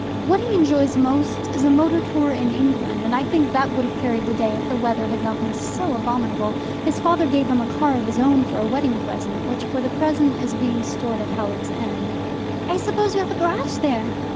What he enjoys most is a motor tour in England, and I think that would have carried the day if the weather had not been so abominable. His father gave him a car of his own for a wedding present, which for the present is being stored at Howards End." "I suppose you have a garage there?"